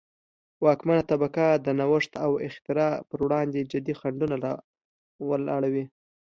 واکمنه طبقه د نوښت او اختراع پروړاندې جدي خنډونه را ولاړوي.